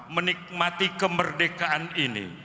menikmati kemerdekaan ini